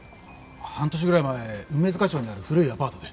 半年ぐらい前梅塚町にある古いアパートで。